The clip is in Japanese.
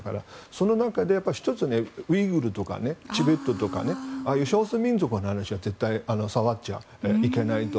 その中で１つ、ウイグルとかチベットとか少数民族の話は絶対触っちゃいけないと。